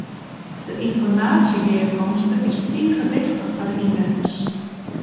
De ynformaasjegearkomste is tige wichtich foar de ynwenners.